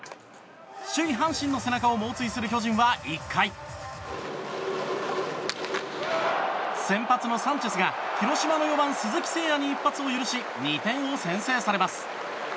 首位、阪神の背中を猛追する巨人は１回先発のサンチェスが広島の４番、鈴木誠也に一発を許し２点を先制されます。